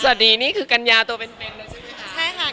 สวัสดีนี่คือกัญญาตัวเป็นเป็นนะใช่ไหมคะ